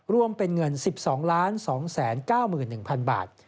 รวมเป็นเงิน๑๒๒๙๑๐๐๐บาท